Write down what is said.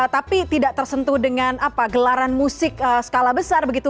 tapi tidak tersentuh dengan gelaran musik skala besar begitu